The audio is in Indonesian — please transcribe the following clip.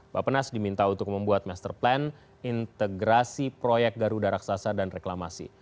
bapak penas diminta untuk membuat master plan integrasi proyek garuda raksasa dan reklamasi